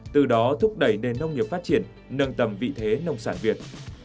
từ đó thúc đẩy nền nông nghiệp phát triển nâng tầm vị thế nông sản việt